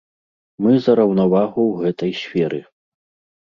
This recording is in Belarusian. Мы за раўнавагу ў гэтай сферы.